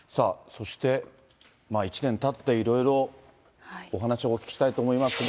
そして１年たっていろいろお話お聞きしたいと思いますが。